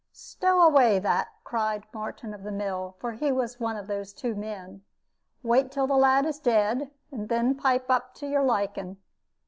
"Stow away that," cried Martin of the mill, for he was one of those two men; "wait till the lad is dead, and then pipe up to your liking.